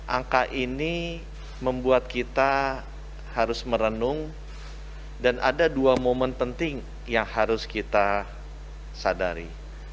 angka ini membuat kita harus merenung dan ada dua momen penting yang harus kita sadari